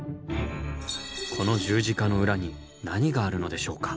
この十字架の裏に何があるのでしょうか？